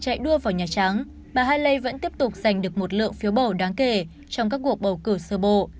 chạy đua vào nhà trắng bà haley vẫn tiếp tục giành được một lượng phiếu bầu đáng kể trong các cuộc bầu cử sơ bộ